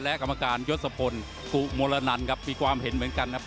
และกรรมการยศพลกุมลนันครับมีความเห็นเหมือนกันครับ